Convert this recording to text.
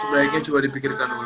sebaiknya coba dipikirkan dulu